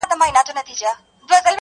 د ځناورو په خوني ځنگل کي